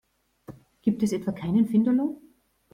Gibt es etwa keinen Finderlohn?